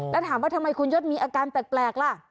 แล้วถามว่าทำไมคุณยศมีอาการแปลกล่ะ